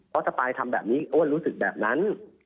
เพราะสปายทำแบบนี้อ้วนรู้สึกแบบนั้น